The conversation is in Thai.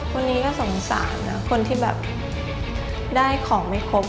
คนนี้ก็สงสารนะคนที่แบบได้ของไม่ครบ